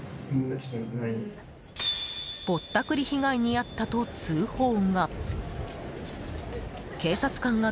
ぼったくり被害に遭ったと通報が。